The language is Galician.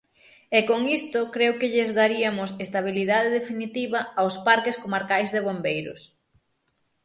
E con isto creo que lles dariamos estabilidade definitiva aos parques comarcais de bombeiros.